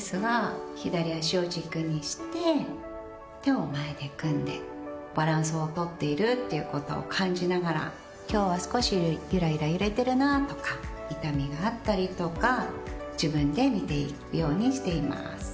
左足を軸にして手を前で組んでバランスを取っているっていうことを感じながら今日は少しゆらゆら揺れてるなとか痛みがあったりとか自分で見ていくようにしています。